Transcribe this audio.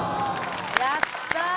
やったー！